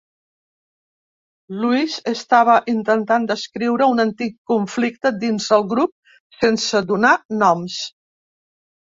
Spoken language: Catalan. Luis estava intentant descriure un antic conflicte dins el grup sense donar noms.